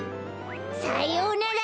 さようなら！